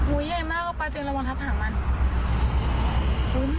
อุ้ยใหญ่มากไปเจ้าเองระวังทับห่างมัน